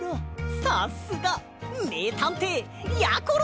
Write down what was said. さすがめいたんていやころ！